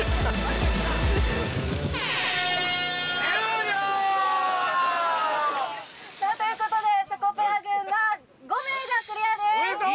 終了さあということでチョコプラ軍は５名がクリアですおめでとう！